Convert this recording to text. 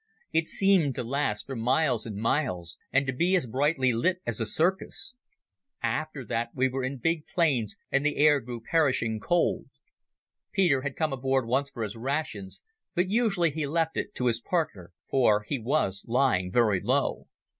It seemed to last for miles and miles, and to be as brightly lit as a circus. After that, we were in big plains and the air grew perishing cold. Peter had come aboard once for his rations, but usually he left it to his partner, for he was lying very low.